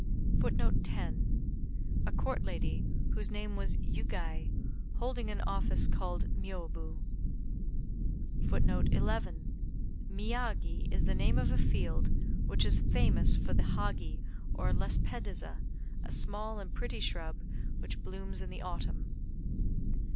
] [Footnote 10: A Court lady, whose name was Yugei, holding an office called "Miôbu."] [Footnote 11: Miyagi is the name of a field which is famous for the Hagi or Lespedeza, a small and pretty shrub, which blooms in the Autumn.